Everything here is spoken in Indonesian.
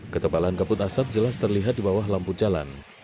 ketebalan kabut asap jelas terlihat di bawah lampu jalan